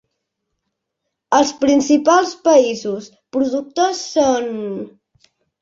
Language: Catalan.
Els principals països productors són: